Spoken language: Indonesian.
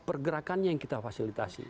pergerakannya yang kita fasilitasi